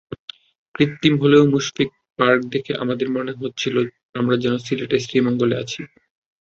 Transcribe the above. কৃত্রিম হলেও মুশফিক পার্ক দেখে আমাদের মনে হচ্ছিল আমরা যেন সিলেটের শ্রীমঙ্গলে আছি।